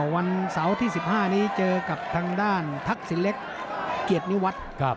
วันเสาร์ที่๑๕นี้เจอกับทางด้านทักษิณเล็กเกียรตินิวัตร